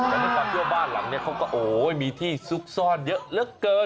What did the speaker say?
ว่าบ้านหลังนี้เขาก็โอ้ยมีที่ซุกซ่อนเยอะเยอะเกิน